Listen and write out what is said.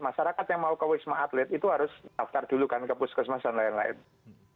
masyarakat yang mau ke wisma atlet itu harus daftar dulu kan ke puskesmas dan lain lain